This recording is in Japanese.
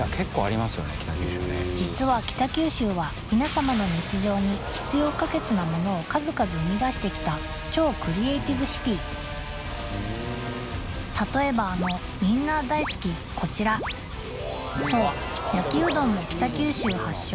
実は北九州は皆様の日常に必要不可欠なものを数々生み出してきた超クリエイティブシティー例えばあのみんな大好きこちらそう焼きうどんも北九州発祥